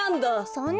そんな！